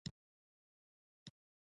مطالعه د انسان فکر پراخوي.